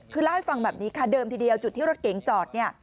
คือราวให้ฟังขาเดิมทีเดียวจุดที่รถเก๋งจอด